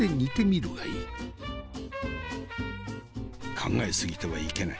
考え過ぎてはいけない。